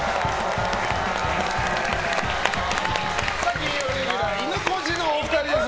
金曜レギュラーいぬこじのお二人です。